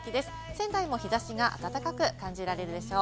仙台も日差しが暖かく感じられるでしょう。